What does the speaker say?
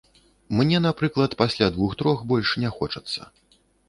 Мне, напрыклад, пасля двух-трох больш не хочацца.